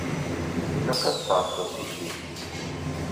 Ilaq ad tɛasseḍ tikli-k.